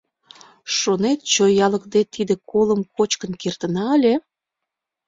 Шонет, чоялыкде тиде колым кочкын кертына ыле?